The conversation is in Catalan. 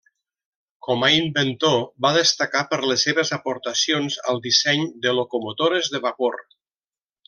Com a inventor, va destacar per les seves aportacions al disseny de locomotores de vapor.